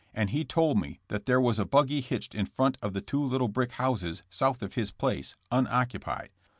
and he told me that there was a buggy hitched in front of the two little brick houses south of his place, unoccupied.